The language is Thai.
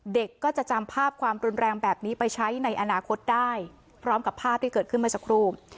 เด็กก็จะจำภาพความรุนแรงแบบนี้ไปใช้ในอนาคตได้พร้อมกับภาพที่เกิดขึ้นเมื่อสักครู่